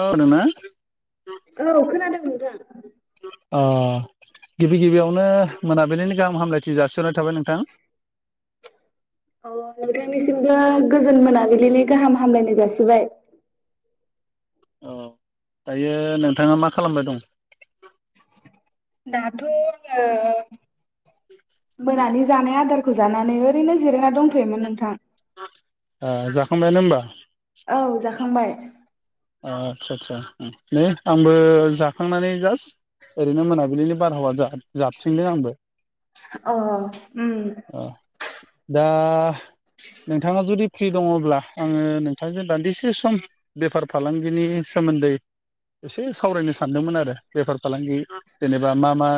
औ नोंना औ खोनादों नोंथां ओ गिबि गिबियावनो मोनाबिलिनि गाहाम हामलाय थि जासिहरनाय थाबाय नोंथां अ नोंथांनिसिमबो गोजोन मोनाबिलिनि गाहाम हामलायनाय जासिबाय औ दायो नोंथाङा मा खालामबाय दं? दाथ' आङो मोनानि जानाया आदार खौ जानानै ओरैनो जिरेैनो जिरायना दंथयोमोन नोंथां जाखांबायानो होमबा? औ जाखांबाय आच्छा आच्छा नै आंबो जाखांनानै जास्ट ओरैनो मोनाबिलिनि बारहावा जाबथिंदों आंगो अ उम दा नोंथाङा जुदि फ्रि दङब्ला आङो नोंथांजों दान्दिसे सम बेफार फालांगिनि सोमोन्दै एसे सावरायनो सानदोंमोन आरो बेफार फालांगि जेनेबा मा मा?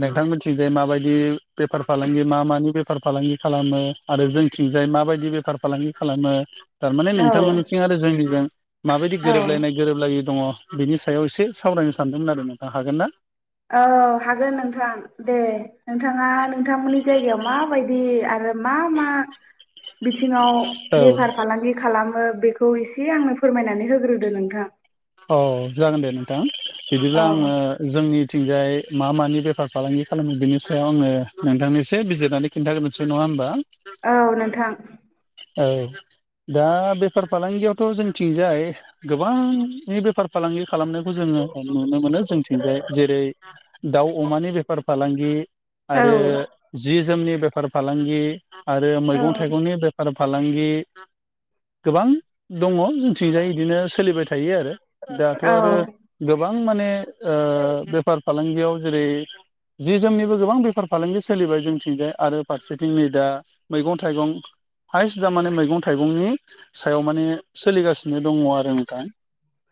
नोंथां मिथिंजाय माबायदि पफार फालांगि मा मानि बेफार फालांगि खालामो आरो जोंथिंजाय माबायदि बेफार फालांगि खालामो थारमाने औ नोंथांमोननिथिं आरो जोंनिजों माबायदि गोरोबलायनाय गोरोबलायि दङ, बिनि सायाव एसे सावरायनो सानदोंमोन आरो नोंथां हागोन ना? औ हागोन नोंथां दे नोंथाङा नोंथांमोननि जायगायाव माबायदि आरो औ बिावफार फालांगि खालाम बेखौ एसे आंनो फोरमायनानै होग्रोदो नोंथां औ जागोन दे नोंथां बिदिब्ला आङो औ जोंनि मिथिंजाय मा मानि बेफार फालांगि खालामो बेनि सायाव आङो नोंथांनि एसे बिजिरनानै खिन्थागोनसै नङा होमबा? औ नोंथां औ दा बेफार फालांगियावथ' जोंथिंजाय गोबांनि बेफार फालांगि खालामनायखौ जोङो नुनो मोनो जोंथिंजाय जेरै दाउ अमानि बेफार फालांगि आरो औ जि जोमनि बेफार फालांगि आरो मैगं औ थाइगंनि बे फालांगि गोबां दङ जोंथिंजाय बिदिनो सोलिबाय थायो आरो दाथ' औ आरो गोबां गोबां माने बेफार फालांगियाव जेरै जि जोमनिबो गोबां बेफार फालांगि सोलिबाय जोंथिंजाय आरो फारसेथिं नै दा मैगं थाइगं हाइस दा माने मैगं थाइगंनि सायाव माने सोलिगासिनो दङ आरो नोंथां।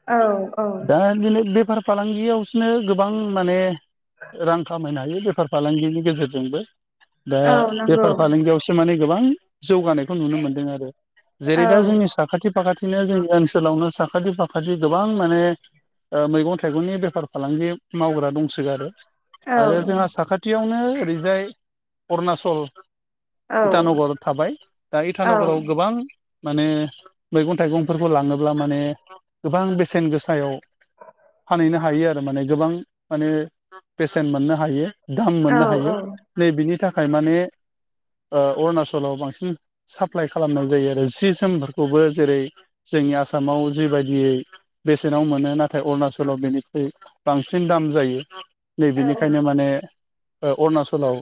औ औ दा बिनो बेफार फालांगियावसोनो गोबां माने रां खामायनो हायो बेफार फालांगिनि गेजेरजोंबो दा औ नंगौ बेफार फालांगियावसो माने गोबां जौगानाय खौ नुनो मोनदों आरो औ जेरै दा जोंनि साखाथि फाखाथिनो जोंनि ओनसोलावनो साखाथि फाखाथि गोबां माने ओ मैगं थाइगंनि बेफार फालांगि मावग्रा दंसोगारो औ आरो जोंहा साखाथियावनो ओरैजाय अरुणाचल औ इटानगर थाबाय दा औ इटानगराव गोबां माने मैगं थाइगंफोरखौ लाङोब्ला माने गोबां बेसेन गोसायाव फानहैनो हायो आरो माने गोबां माने बेसेन मोननो हायो दाम मोननो हायो औ नै बिनि थाखाय माने ओ अरुणाचलाव बांसिन साप्लाइ खालामनाय जायो आरो जि जोमफोरखौबो जेरै जोंनि आसामाव जिबायदियै बेसेनाव मोनो नाथाय अरुणाचलाव बेनिख्रुइ बांसिन दाम जायो। नै औ बिनिखायनो माने अरुणाचलाव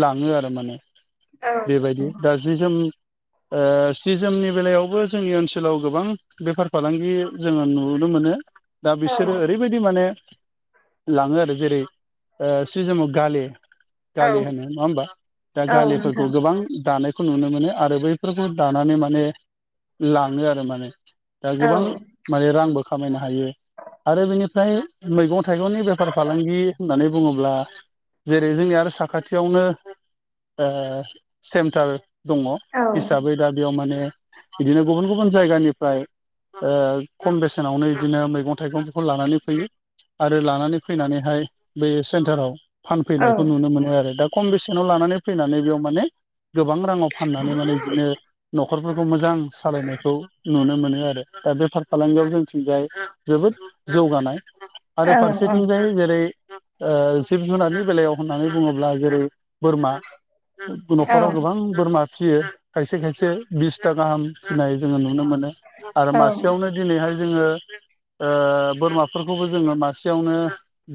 लाङो आरो माने। बेबायदि दा जि जोम ओ सि जोमनि बेलायावबो जोंनि ओनसोलाव गोबां बेफार फालांगि जोङो नुनो मोनो मोनो दा बिसोरो ओरैबायदि माने लाङो आरो जेरै ओ सि जोम आव गाले औ गाले होनो नङा होमबा दा औ गालिफोरखौ नोंथां गोबां दानायखौ नुनो मोनो। आरो बैफोरखौ दानानै माने लाङो आरो माने दा औ गोबां माने रांबो खामायनो हायो आरो बेनि फाय मैगं थाइगंनि बेफार फालांगि होननानै बुङोब्ला जेरै जोंनि आरो साखाथियावनो ओ सेन्टार दङ औ हिसाबै दा बेयाव माने बिदिनो गुबुन गुबुन जायगानिफ्राय ओ खम बेसेनावनो बिदिनो मैगं थाइगं खौ लानानै फैयो आरो लानानै फैनानैहाय बे सेन्टाराव औ फानफैनायखौ नुनो मोनो आरो दा खम बेसेनाव लानानै फैनानै बेयाव माने गोबां रां माने बिदिनो न'खरफोरखौ मोजां सालायनायखौ नुनो मोनो। आरो दा बेफार फालांगियाव जोंथिंजाय जोबोद जौगानाय औ आरो फारसेथिंजाय जेरै ओ जिब जुनारनि बेलायाव होननानै बुङोब्ला जेरै बोरमा औ नोंथां न'खराव गोबां बोरमा फिसियो खायसे खायसे बिसथा गाहाम फिनाय जोङो नुनो मोनो आरो औ मासेयावनो दिनैहाय जोङो ओ बोरमाफोरखौबो जोङो मासेयावनो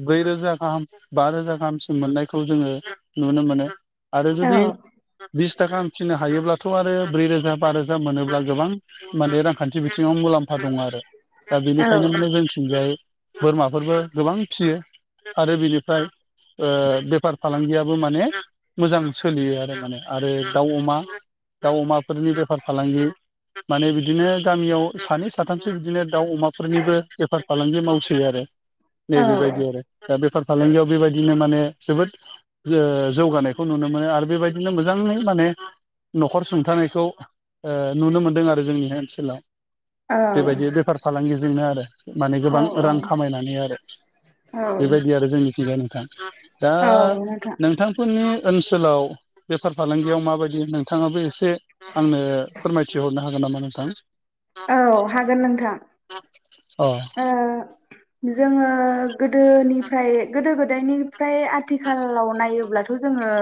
ब्रैरोजा गाहाम बा रोजा गाहामसिम मोननायखौ जोङो नुनो मोनो। आरो जुदि बिसथागाहाम फिनो हायोब्लाथ' आरो ब्रै रोजा बा रोजा मोनो दा गोबां माने रांखान्थि बिथिङावनो मुलाम्फा दङ आरो दा बेनिखायनो माने जोंथिंजाय बोरमाफोरबो गोबां फियो आरो बिनिफ्राय ओ बेफार फालांगियाबो माने मोजां सोलियो आरो माने आरो दाव अमा दाउ अमाफोरनि बेफार फालांगि माने बिदिनो गामियाव सानै साथामसो बिदिनो दाउ अमाफोरनिबो बेफार फालांगि मावसै आरो नै बेबायदि आरो दा बेफार फालांगियाव बेबायदिनो माने जोबोद ओ जौगानायखौ नुनो मोनो आरो बेबायदिनो मोजाङै माने न'खर सुंथानायखौ ओ नुनो मोनदों आरो जोंनि ओनसोलाव। बेबायदि बेफार फालांगिजोंनो आरो माने गोबां रां खामायनानै आरो। बेबायदि आरो जोंनिथिंजाय नोंथां दा नोंथांफोरनि ओनसोलाव बेफार फालांगियाव माबायदि नोंथाङाबो ए से आंनो फोरमायथिहरनो हागोन नामा नोंथां? औ हागोन नोंथां। अ ओ जोङो गोदोनिफ्राय गोदो गोदायनिफ्राय आथिखालाव नायोब्ला थ' जोंङो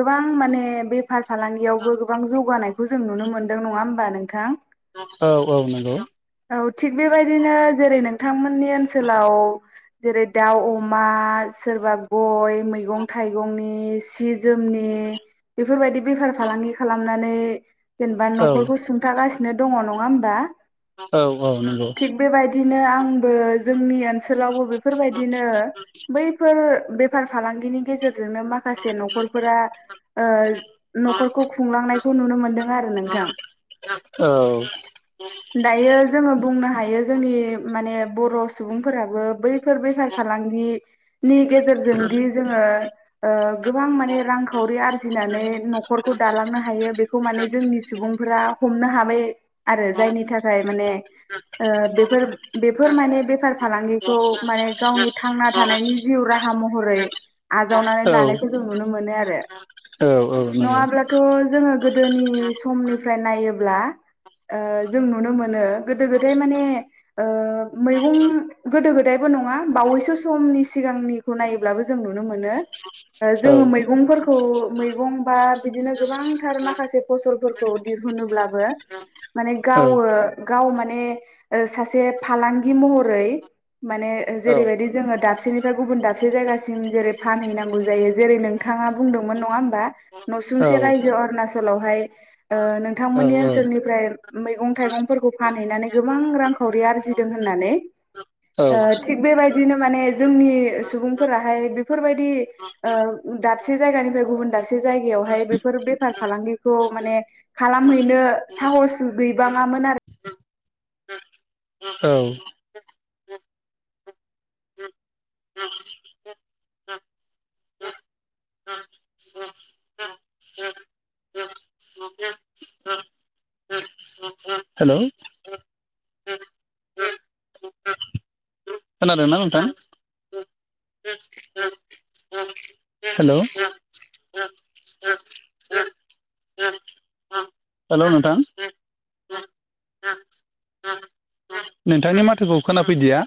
गोबां माने बेफार फालांगियावबो गोबां जौगानाय खौ जों नुनो मोन्दों नङा होमबा नोंथां। औ औ नंगौ। औ थिक बिबाय बिदिनो जेरै नोंथांमोननि ओनसोलाव जेरै- दाउ अमा सोरबा ग य मैंगं-थाइंनि सि जोमनि बेफोरबायदि बेफार फालांगि खालामना नै जेनेबा औ न'खरखौ सुंथागासिनो दङ नङा होमबा? औ औ नंगौ। थिग बेबायदिनो आंबो जोंनि ओन सोलावबो बेफोरबायदिनो बैफोर बेफार फालांगिनि गेजेर जोंनो माखासे न'खरफोरा ओ न'खरखौ खुंलांनायखौ नुनो मोनदों आरो नोंथां। ओ। दायो जोङो बुंनो हा यो जोंनि माने बर' सुबुंफोराबो बैफोर बेफार फालांगि नि गेजेरजों दि जोङो ओ गोबां माने रांखावरि आरजिनानै न'खरखौ दालांनो हायो बेखौ माने जोंनि सुबुं फोरा हमनो हाबाय आरो जायनि थाखाय माने ओ बेफोर बेफोर माने बेफार फालांगिखौ माने गावनि थांना थानायनि जिउ रा हा महरै आजावनानै औ लानायखौ जों नुनो मोनो आरो औ औ नंगौ नङाब्लाथ' जोङो गोदोनि समनिफ्राय नायोब्ला ओ जों नुनो मोनो गोदो गो दाय माने ओ मैगं गोदो गोदाय बो नङा बावैसो समनि सिगांनि खौ नायोब्लाबो जों नुनो मोनो ओ जाङो औ मैंग फोर खौ मैगं बा बिदिनो गोबांथार माखासे फसलफोरखौ दिहुनोब्लाबो माने औ गावो गाव माने ओ सासे फालांगि महरै माने औ जेरैबायदि जोङो दाबसेनिफाय गुबुन दाबसे जायगासिम जेरै फानहैनांगौ जायो। जेरै नों थाङा बुंदोंमोन नङा होमबा औ न'सुंसे रायजो अरुणाचलावहाय ओ औ नोंथांमोननि ओनसोल निफ्राय मैगं थाइगंफोरखौ फानहैनानै गोबां रांखावरि आरजिदों होननानै औ ओ थिग बेबाय दिनो माने जोंनि सुबुंफोराहाय बेफोरबायदि ओ दाबसे जायगा निफाय गुबन दाबसे जायगायावहाय बेफोर बेफार फालांगिखौ माने खालामहैनो साहस गैबां आमोन आरो औ हेलौ! खोनादोना नोंथां? हेल'! हेल' नोंथां? नोंथांनि माथोखौ खोनाफैदिया।